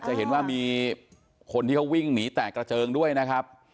จะเห็นว่ามีคนที่เขาวิ่งหนีแตกกระเจิงด้วยนะครับ